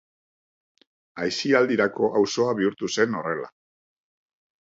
Aisialdirako auzoa bihurtu zen horrela.